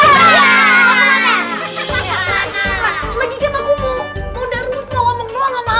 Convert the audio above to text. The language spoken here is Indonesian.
lagi jam aku mau darurat mau ngomong ngomong sama amalia